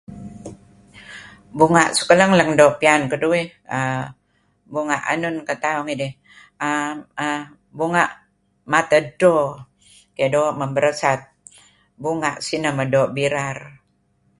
Bunga' suk lang-leng doo' piyan keduih err bunga' anun tebe' kan tauh ngidih {er er] bunga' mateh edto keh, doo' men beresat bunga' sineh doo' birar.